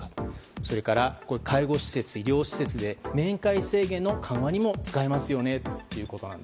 それから介護施設、医療施設で面会制限の緩和にも使えますよねと。